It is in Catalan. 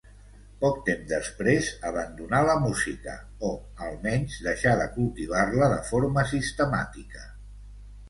Poc temps després abandonà la música, o, almenys, deixà de cultivar-la de forma sistemàtica.